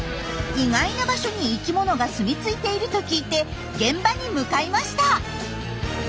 意外な場所に生きものが住み着いていると聞いて現場に向かいました。